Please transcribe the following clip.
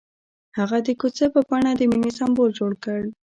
هغه د کوڅه په بڼه د مینې سمبول جوړ کړ.